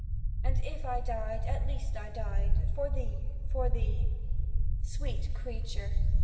"And if I died, at least I died For thee—for thee." Sweet creature!